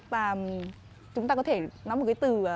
và chúng ta có thể nói một cái từ